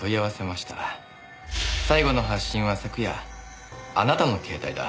最後の発信は昨夜あなたの携帯だ。